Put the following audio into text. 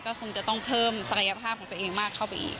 ก็คงจะต้องเพิ่มศักยภาพของตัวเองมากเข้าไปอีก